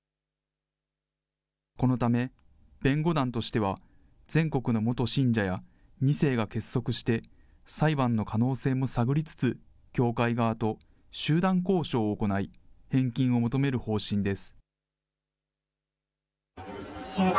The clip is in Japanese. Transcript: このため、弁護団としては全国の元信者や２世が結束して、裁判の可能性も探りつつ、教会側と集団交渉を行い、返金を求める方針です。